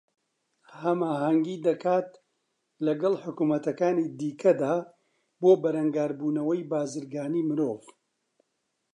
ھەماھەنگی دەکات لەگەڵ حوکمەتەکانی دیکەدا بۆ بەرەنگاربوونەوەی بازرگانیی مرۆڤ